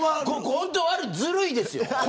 本当にずるいですよ。